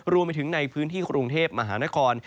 รวมไปถึงในพื้นที่กรุงเทพมหานคร